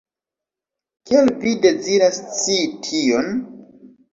Kial vi deziras scii tion?